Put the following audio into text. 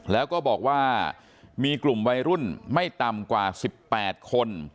แล้วก็บอกว่ามีกลุ่มวัยรุ่นไม่ต่ำกว่า๑๘คน